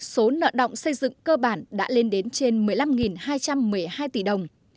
số nợ động xây dựng cơ bản đã lên đến trên một mươi năm hai trăm một mươi hai tỷ đồng